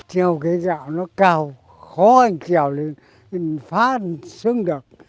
treo cây gạo nó cao khó anh treo thì phá xương được